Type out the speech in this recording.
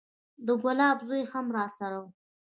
د ګلاب زوى هم راسره و.